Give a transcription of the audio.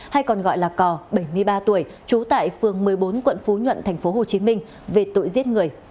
hay còn gọi là cò bảy mươi ba tuổi trú tại phường một mươi bốn quận phú nhuận tp hcm về tội giết người